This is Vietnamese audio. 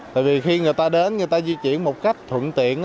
tại vì khi người ta đến người ta di chuyển một cách thuận tiện